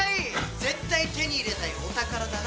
絶対手に入れたいお宝だな。